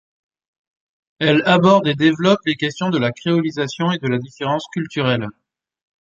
Elle aborde et développe les questions de la créolisation et de la différence culturelle.